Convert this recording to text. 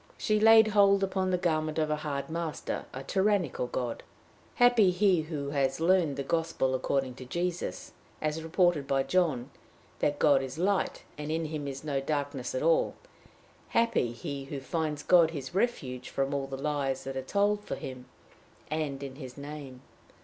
She laid hold upon the garment of a hard master, a tyrannical God. Happy he who has learned the gospel according to Jesus, as reported by John that God is light, and in him is no darkness at all! Happy he who finds God his refuge from all the lies that are told for him, and in his name!